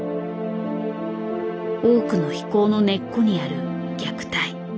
多くの非行の根っこにある虐待。